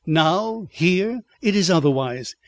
Now here, it is otherwise.